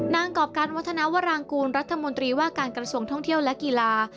กรอบการวัฒนาวรางกูลรัฐมนตรีว่าการกระทรวงท่องเที่ยวและกีฬา